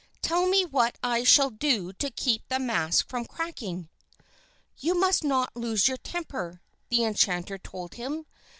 Tell me what I shall do to keep the mask from cracking." "You must not lose your temper," the enchanter told him.